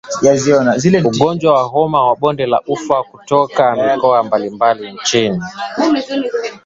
Ugonjwa wa homa ya bonde la ufa hutokea katika mikoa mbalimbali nchini